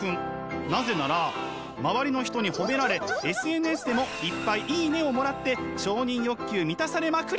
なぜなら周りの人に褒められＳＮＳでもいっぱい「いいね！」をもらって承認欲求満たされまくり！